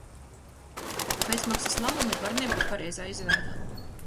Bezmaksas labumi var nebūt pareizā izvēle.